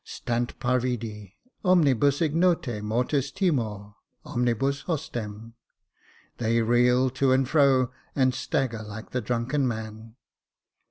—* Stant pavidi. Omnibus ignota mortis timor, omnibus hostem^ —* They reel to and fro, and stagger like a drunken man.'